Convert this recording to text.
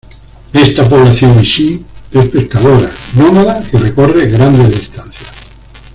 Esta población wichí es pescadora, nómada y recorre grandes distancias.